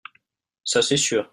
Ça c’est sûr